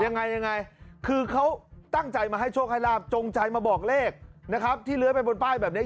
ยังไงยังไงคือเขาตั้งใจมาให้โชคให้ลาบจงใจมาบอกเลขนะครับที่เลื้อยไปบนป้ายแบบนี้